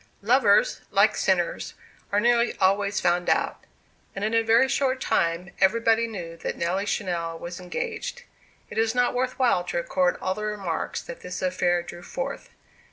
Lovers, like sinners, are nearly always found out; and in a very short time everybody knew that Nelly Channell was engaged. It is not worth while to record all the remarks that this affair drew forth.